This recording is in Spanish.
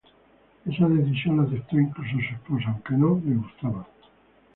Esa decisión la aceptó incluso su esposa aunque no le gustaba.